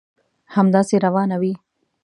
همداسي روانه وي.